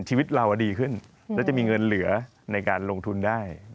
ชีวิตเราดีขึ้นแล้วจะมีเงินเหลือในการลงทุนได้